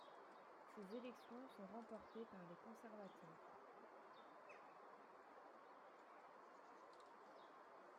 Ces élections sont remportées par les conservateurs.